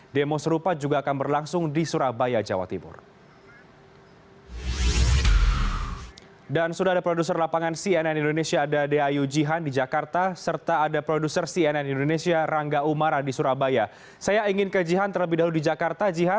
demo serupa juga akan berlangsung di surabaya jawa timur